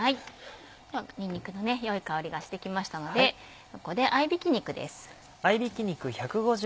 ではにんにくの良い香りがしてきましたのでここで合びき肉です。